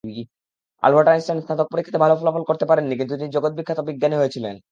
Albert Einstein স্নাতক পরীক্ষাতে ভালো ফলাফল করতে পারেনি, কিন্তু তিনি জগদ্বিখ্যাত বিজ্ঞানী হয়েছিলেন।